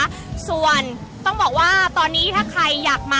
เชื่อหรือเกินค่ะคุณผู้ชมว่าข้ามคืนนี้นะคะแสงเพียรนับพันนับร้อยเล่มนะคะ